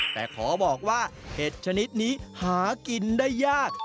แต่ขอบอกว่าเห็ดชนิดนี้หากินได้ยาก